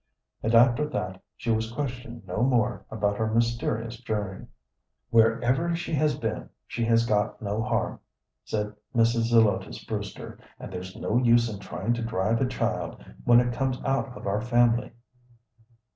And after that she was questioned no more about her mysterious journey. "Wherever she has been, she has got no harm," said Mrs. Zelotes Brewster, "and there's no use in trying to drive a child, when it comes of our family.